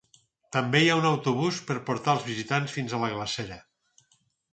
També hi ha un autobús per portar els visitants fins a la glacera.